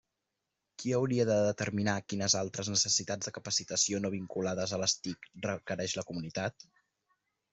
Qui hauria de determinar quines altres necessitats de capacitació no vinculades a les TIC requereix la comunitat?